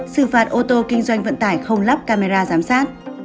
xử phạt ô tô kinh doanh vận tải không lắp camera giám sát